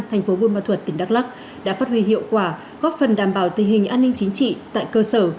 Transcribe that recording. thành phố buôn ma thuật tỉnh đắk lắc đã phát huy hiệu quả góp phần đảm bảo tình hình an ninh chính trị tại cơ sở